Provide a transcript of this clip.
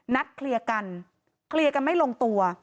นัดเคลียร์กันเคลียร์กันไม่ลงตัว